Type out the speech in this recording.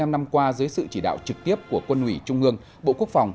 bảy mươi năm năm qua dưới sự chỉ đạo trực tiếp của quân ủy trung ương bộ quốc phòng